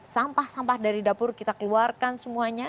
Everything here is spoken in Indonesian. sampah sampah dari dapur kita keluarkan semuanya